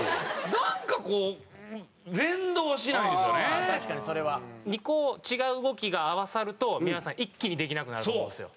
なんかこう２個違う動きが合わさると皆さん一気にできなくなると思うんですよ